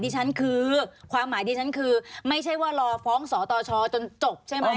ฉันคือความหมายดิฉันคือไม่ใช่ว่ารอฟ้องสตชจนจบใช่ไหม